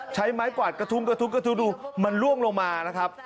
ใช้ไม้กวาดกระทุ้งดูมันล่วงลงมานะครับ